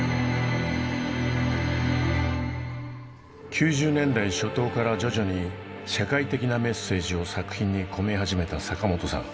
９０年代初頭から徐々に社会的なメッセージを作品に込め始めた坂本さん。